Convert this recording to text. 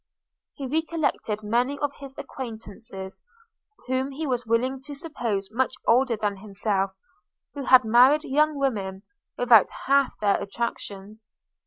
He recollected many of his acquaintance, whom he was willing to suppose much older than himself, who had married young women without half her attractions.